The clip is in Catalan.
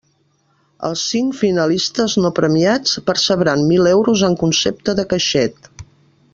Els cinc finalistes no premiats percebran mil euros en concepte de caixet.